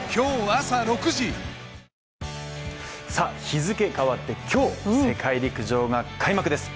日付変わって今日、世界陸上が開幕です。